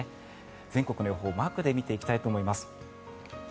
全国の予報をマークで見ていきます。